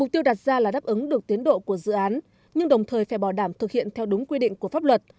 thật ra là đáp ứng được tiến độ của dự án nhưng đồng thời phải bảo đảm thực hiện theo đúng quy định của pháp luật